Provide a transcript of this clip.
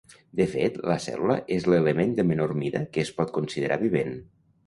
De fet, la cèl·lula és l'element de menor mida que es pot considerar vivent.